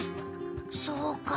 そうか。